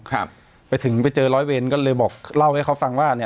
แจ้งความออนไลน์